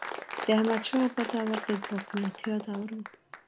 د احمدشاه بابا دور د ځواکمنتیا دور و.